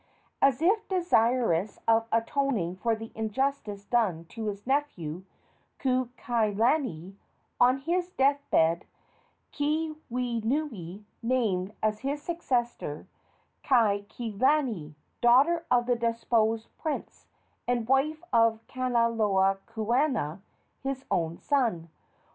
As if desirous of atoning for the injustice done to his nephew, Kukailani, on his death bed Keawenui named as his successor Kaikilani, daughter of the deposed prince, and wife of Kanaloa kuaana, his own son.